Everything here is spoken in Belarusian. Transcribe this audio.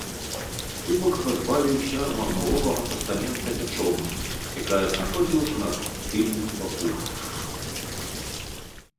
Кубак пазбавіўся мармуровага пастамента мячом, якая знаходзілася на тыльным баку.